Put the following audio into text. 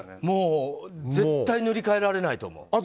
もう絶対塗り替えられないと思う。